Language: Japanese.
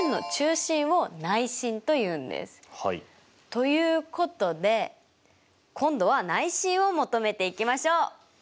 ということで今度は内心を求めていきましょう！